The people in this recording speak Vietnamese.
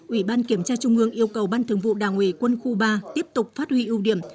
ủy ban kiểm tra trung ương yêu cầu ban thường vụ đảng ủy quân khu ba tiếp tục phát huy ưu điểm